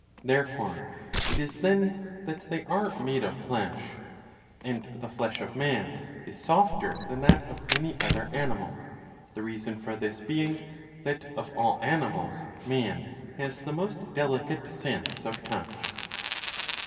Therefore it is then that they are made of flesh. And the flesh of man is softer than that of any other animal, the reason ^^ for this being, that of all animals man has the most delicate sense of touch.'